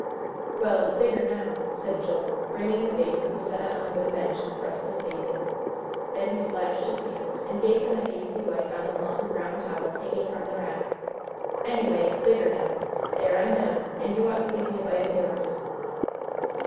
"Well, it's bigger now," said Joel, bringing the basin to set it on the wood bench and thrust his face in. Then he splashed his hands, and gave them a hasty wipe on the long brown towel hanging from the rack. "Anyway, it's bigger now. There, I'm done, and you ought to give me a bite of yours."